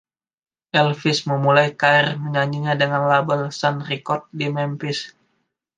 Elvis memulai karier menyanyinya dengan label Sun Records di Memphis.